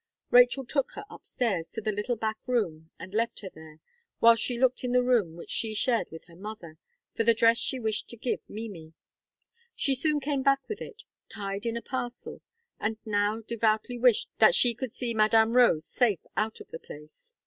Rachel took her up stairs to the little back room, and left her there, whilst she looked in the room which she shared with her mother, for the dress she wished to give Mimi; she soon came back with it, tied in a parcel, and now devoutly wished that she could see Madame Rose safe out of the place.